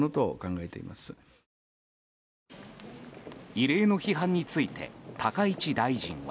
異例の批判について高市大臣は。